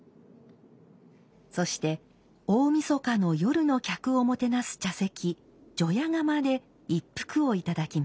そして大晦日の夜の客をもてなす茶席除夜釜で一服をいただきます。